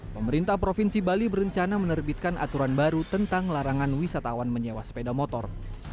pemerintah provinsi bali berencana menerbitkan aturan baru tentang larangan wisatawan menyewa sepeda motor